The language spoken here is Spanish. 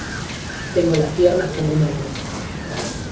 tengo las piernas como un hombre.